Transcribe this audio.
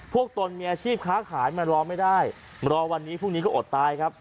ตนมีอาชีพค้าขายมารอไม่ได้รอวันนี้พรุ่งนี้ก็อดตายครับ